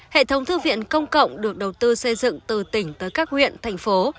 hệ thống thư viện công cộng được đầu tư xây dựng từ tỉnh tới các huyện thành phố